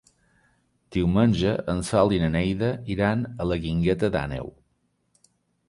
Diumenge en Sol i na Neida iran a la Guingueta d'Àneu.